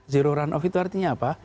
zero run off itu artinya apa